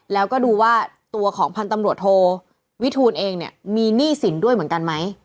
แล้วก็ดูว่าตัวของพันธุ์ตำรวจโทวิทูลเองเนี่ยมีหนี้สินด้วยเหมือนกันไหม